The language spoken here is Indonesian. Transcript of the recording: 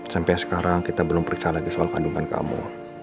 sampai sekarang kita belum periksa lagi soal kandungan kamu